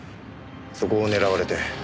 そこを狙われて。